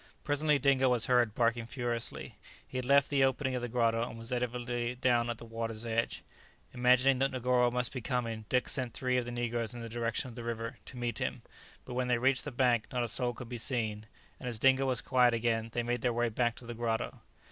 Presently Dingo was heard barking furiously. He had left the opening of the grotto, and was evidently down at the water's edge. Imagining that Negoro must be coming, Dick sent three of the negroes in the direction of the river to meet him; but when they reached the bank not a soul could be seen, and as Dingo was quiet again, they made their way back to the grotto.